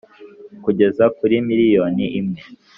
kugeza kuri miliyoni imwe